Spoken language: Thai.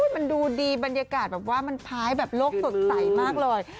มันดูดีบรรยากาศแบบว่ามันพ้ายแบบโลกสดใสมากเลย